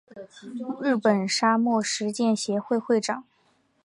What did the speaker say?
日本沙漠实践协会会长。